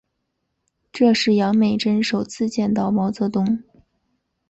这是杨美真首次见到毛泽东。